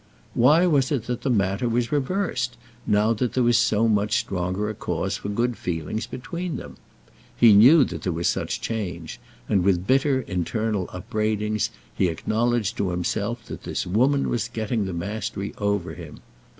Why was it that the matter was reversed, now that there was so much stronger a cause for good feeling between them? He knew that there was such change, and with bitter internal upbraidings he acknowledged to himself that this woman was getting the mastery over him.